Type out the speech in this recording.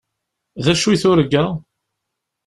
D acu i turga?